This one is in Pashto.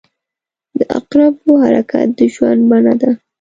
• د عقربو حرکت د ژوند بڼه ده.